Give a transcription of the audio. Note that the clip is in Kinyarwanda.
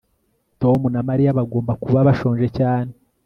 Tom na Mariya bagomba kuba bashonje cyane